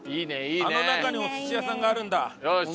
あの中にお寿司屋さんがあるんだ。